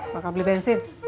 baga beli bensin